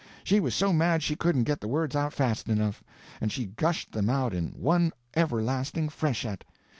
She was so mad she couldn't get the words out fast enough, and she gushed them out in one everlasting freshet.